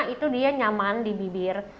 itu dia nyaman di bibir